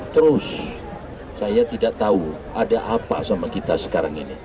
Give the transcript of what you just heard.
terus saya tidak tahu ada apa sama kita sekarang ini